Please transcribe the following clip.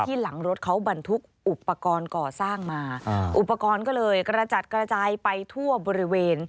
หลังรถเขาบรรทุกอุปกรณ์ก่อสร้างมาอุปกรณ์ก็เลยกระจัดกระจายไปทั่วบริเวณ